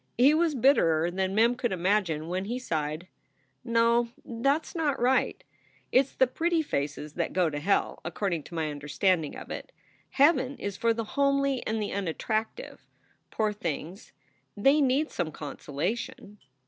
He was bitterer than Mem could imagine when he sighed: "No, that s right. It s the pretty faces that go to hell, according to my understanding of it. Heaven is for the homely and the unattractive. Poor things, they need some consolation."